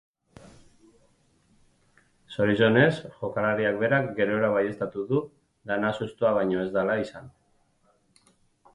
Zorionez, jokalariak berak gerora baieztatu du dena sustoa baino ez dela izan.